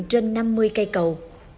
trên năm mươi cây cầu